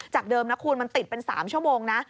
เดิมนะคุณมันติดเป็น๓ชั่วโมงนะ